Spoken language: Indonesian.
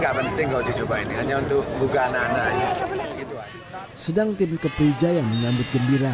gak penting kalau dicoba ini hanya untuk buka anak anak sedang tim ke prijaya menyambut gembira